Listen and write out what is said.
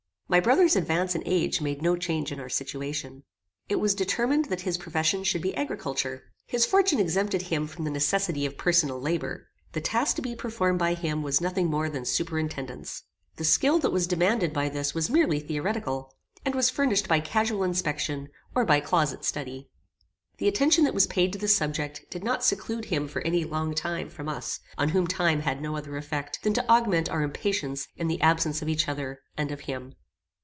My brother's advance in age made no change in our situation. It was determined that his profession should be agriculture. His fortune exempted him from the necessity of personal labour. The task to be performed by him was nothing more than superintendance. The skill that was demanded by this was merely theoretical, and was furnished by casual inspection, or by closet study. The attention that was paid to this subject did not seclude him for any long time from us, on whom time had no other effect than to augment our impatience in the absence of each other and of him.